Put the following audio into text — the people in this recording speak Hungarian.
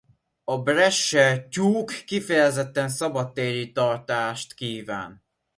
A bresse tyúk kifejezetten szabadtéri tartást kíván.